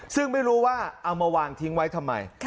ซึ่งไม่รู้ว่าเอามาวางทิ้งไว้ทำไม